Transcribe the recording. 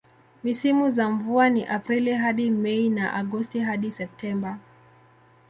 Misimu za mvua ni Aprili hadi Mei na Agosti hadi Septemba.